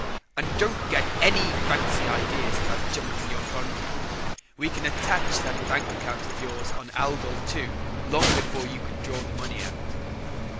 "And don't get any fancy ideas about jumping your contract. We can attach that bank account of yours on Algol II long before you could draw the money out."